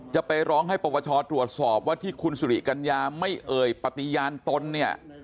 จะไปร้องให้ปปชตรวจสอบว่าที่คุณสุริกัญญาไม่เอ่ยปฏิญาณตนเนี่ย